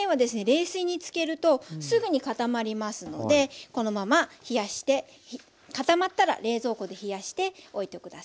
冷水につけるとすぐに固まりますのでこのまま冷やして固まったら冷蔵庫で冷やしておいて下さい。